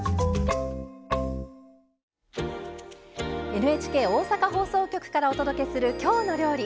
ＮＨＫ大阪放送局からお届けする「きょうの料理」。